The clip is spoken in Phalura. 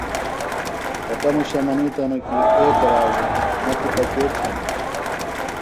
کٹموشہ منِیتوۡ ہنوۡ کیۡ اے کراڑوۡ مہ تِپہ کے کِھئانوۡ